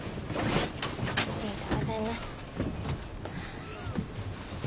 ありがとうございます。